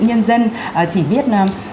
nhân dân chỉ biết